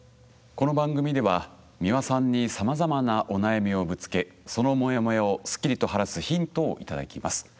この番組では美輪さんにさまざまなお悩みをぶつけそのモヤモヤをすっきりと晴らすヒントをいただきます。